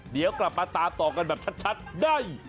เดี๋ยวกลับมาตามต่อกันแบบชัดได้